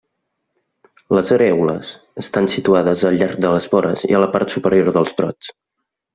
Les arèoles estan situades al llarg de les vores i la part superior dels brots.